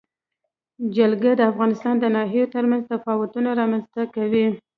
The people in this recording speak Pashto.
جلګه د افغانستان د ناحیو ترمنځ تفاوتونه رامنځ ته کوي.